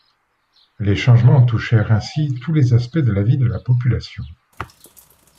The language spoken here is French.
Les changements touchèrent ainsi tous les aspects de la vie de la population.